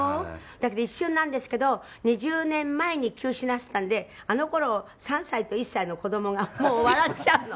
だけど、一瞬なんですけど２０年前に休止なすったんであの頃、３歳と１歳の子供がもう笑っちゃうの。